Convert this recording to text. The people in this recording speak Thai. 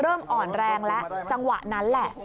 อ่อนแรงแล้วจังหวะนั้นแหละ